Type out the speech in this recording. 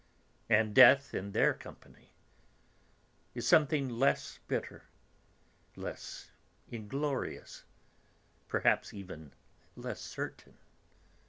And death in their company is something less bitter, less inglorious, perhaps even less certain.